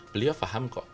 beliau paham kok